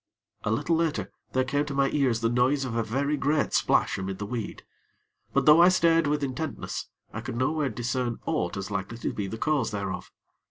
A little later, there came to my ears the noise of a very great splash amid the weed; but though I stared with intentness, I could nowhere discern aught as likely to be the cause thereof.